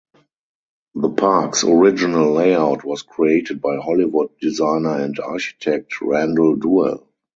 The park's original layout was created by Hollywood designer and architect, Randall Duell.